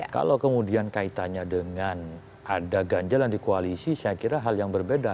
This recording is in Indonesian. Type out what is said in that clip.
kalau kemudian kaitannya dengan ada ganjalan di koalisi saya kira hal yang berbeda